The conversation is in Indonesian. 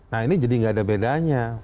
nah ini jadi nggak ada bedanya